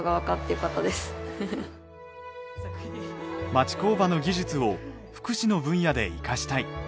町工場の技術を福祉の分野で生かしたい。